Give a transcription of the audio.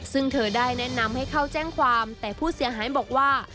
ซึ่งเธอได้แนะนำให้เข้าแจ้งความแต่ผู้เสียหายบอกว่า